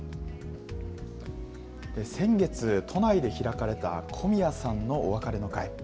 先月、都内で開かれた小宮さんのお別れの会。